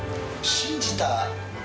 信じた。